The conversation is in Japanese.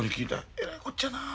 えらいこっちゃなあ。